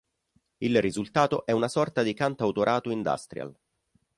Il risultato è una sorta di cantautorato industrial.